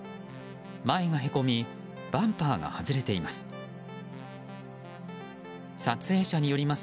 前がへこみバンパーが外れています。